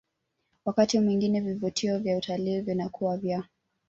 Wakati mwingine vivutio vya utalii vinakuwa vya